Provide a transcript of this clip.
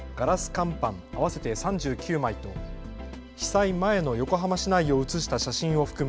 乾板合わせて３９枚と被災前の横浜市内を写した写真を含む